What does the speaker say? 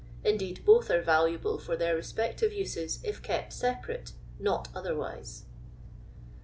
Indeed, lx»th are valuable fur their respective uses if kept separate, net other wise."